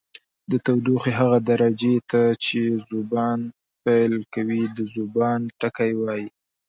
د تودوخې هغه درجې ته چې ذوبان پیل کوي د ذوبان ټکی وايي.